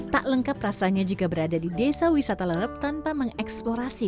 tak lengkap rasanya jika berada di desa wisata lerep tanpa mengeksplorasi